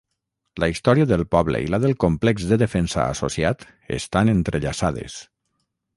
La història del poble i la del complex de defensa associat estan entrellaçades.